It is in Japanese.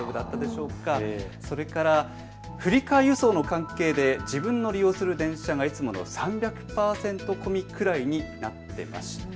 それから振替輸送の関係で自分の利用する電車がいつもの３００％混みくらいになっていました。